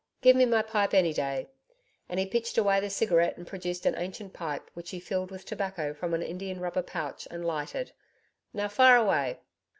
Give me my pipe any day ' And he pitched away the cigarette and produced an ancient pipe, which he filled with tobacco from an india rubber pouch and lighted. 'Now, fire away.'